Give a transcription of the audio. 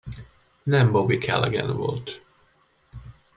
Nem Bobby Calaghan volt.